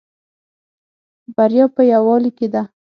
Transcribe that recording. بریا په یوالی کې ده